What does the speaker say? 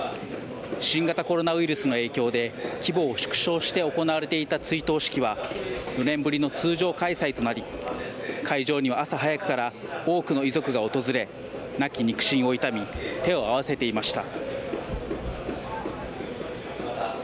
新型コロナウイルスの影響で規模を縮小して行われていた追悼式は４年ぶりの通常開催となり会場には朝早くから多くの遺族が訪れ亡き肉親を悼み手を合わせていました。